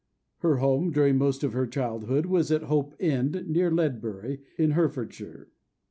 Her home, during most of her childhood, was at Hope End, near Ledbury, in Herefordshire.